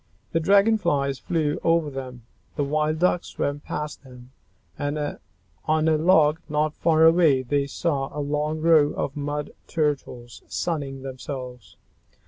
The Dragon Flies flew over them, the Wild Ducks swam past them, and on a log not far away they saw a long row of Mud Turtles sunning themselves.